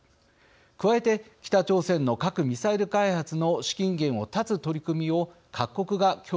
加えて北朝鮮の核・ミサイル開発の資金源を絶つ取り組みを各国が強化しなければなりません。